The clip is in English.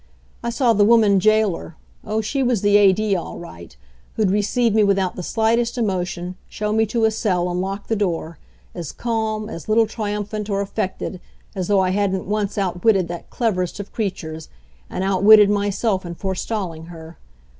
I saw the woman jailer oh, she was the A.D., all right, who'd receive me without the slightest emotion, show me to a cell and lock the door, as calm, as little triumphant or affected, as though I hadn't once outwitted that cleverest of creatures and outwitted myself in forestalling her.